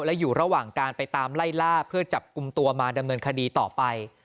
และอยู่ระหว่างการไปตามไล่ล่าเพื่อจับกลุ่มตัวมาดำเนินคดีต่อไป